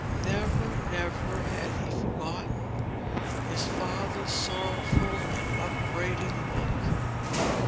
Never, never, had he forgotten his father's sorrowful and upbraiding look.